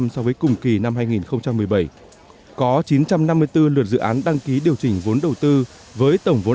so với cùng kỳ năm hai nghìn một mươi bảy có chín trăm năm mươi bốn lượt dự án đăng ký điều chỉnh vốn đầu tư với tổng vốn